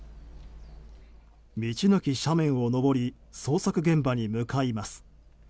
道なき斜面を登り捜索現場に向かいます。